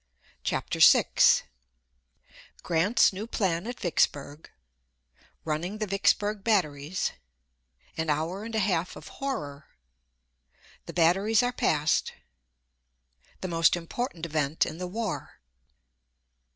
CHAPTER VI Grant's new plan at Vicksburg Running the Vicksburg batteries An hour and a half of horror The batteries are passed The most important event in the war.